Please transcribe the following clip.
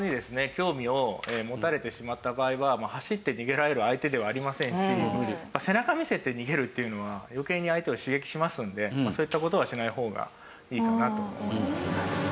興味を持たれてしまった場合は走って逃げられる相手ではありませんし背中を見せて逃げるっていうのは余計に相手を刺激しますのでそういった事はしない方がいいかなと思います。